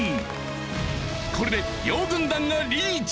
これで両軍団がリーチ！